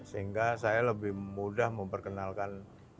sehingga saya lebih mudah memperkenalkan